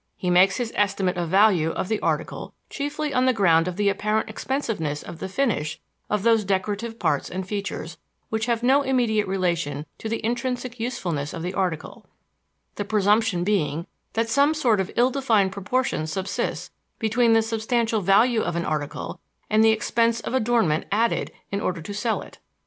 He makes his estimate of value of the article chiefly on the ground of the apparent expensiveness of the finish of those decorative parts and features which have no immediate relation to the intrinsic usefulness of the article; the presumption being that some sort of ill defined proportion subsists between the substantial value of an article and the expense of adornment added in order to sell it.